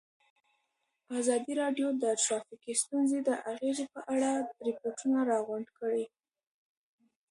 ازادي راډیو د ټرافیکي ستونزې د اغېزو په اړه ریپوټونه راغونډ کړي.